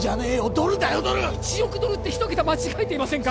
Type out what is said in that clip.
ドルだよドル１億ドルって一桁間違えていませんか？